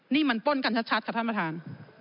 นี่มันป้นกันชัดค่ะท่านประธาน